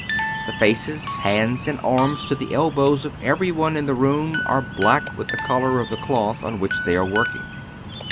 The faces, hands, and arms to the elbows of everyone in the room are black with the color of the cloth on which they are working.